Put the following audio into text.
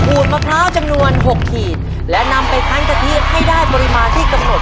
มะพร้าวจำนวนหกขีดและนำไปคั้งกะทิให้ได้ปริมาณที่กำหนด